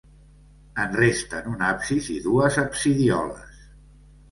En resten un absis i dues absidioles.